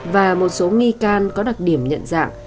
và một số nghi can có đặc điểm nhận dạng